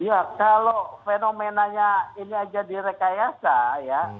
ya kalau fenomenanya ini aja direkayasa ya